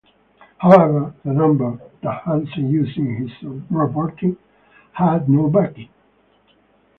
However, the number that Hansen used in his reporting had no backing.